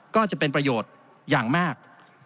ก็จะเป็นประโยชน์อย่างมาก